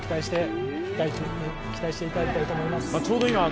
ぜひご期待していただきたいと思います。